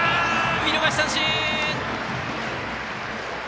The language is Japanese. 見逃し三振！